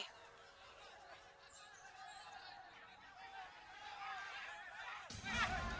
pak pak pak